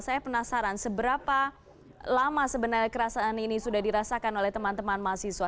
saya penasaran seberapa lama sebenarnya kerasaan ini sudah dirasakan oleh teman teman mahasiswa